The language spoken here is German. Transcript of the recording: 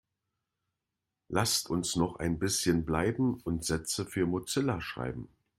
Lasst uns noch ein bisschen bleiben und Sätze für Mozilla schreiben.